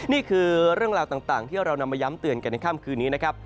นี่คือเรื่องราวต่างที่เรานำมาย้ำเตือนกันในค่ำคืนนี้นะครับ